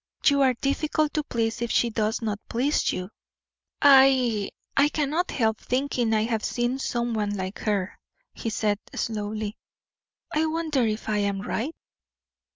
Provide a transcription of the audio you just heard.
"You are difficult to please if she does not please you." "I I cannot help thinking I have seen some one like her," he said, slowly. "I wonder if I am right?"